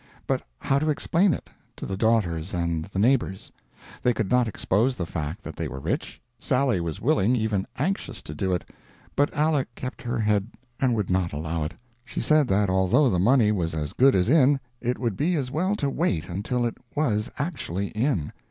But how to explain it to the daughters and the neighbors? They could not expose the fact that they were rich. Sally was willing, even anxious, to do it; but Aleck kept her head and would not allow it. She said that although the money was as good as in, it would be as well to wait until it was actually in.